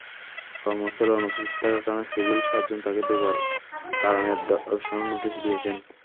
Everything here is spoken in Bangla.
কর্মস্থলে অনুপস্থিত থাকার কারণে সিভিল সার্জন তাঁকে দুবার কারণ দর্শানোর নোটিশ দিয়েছেন।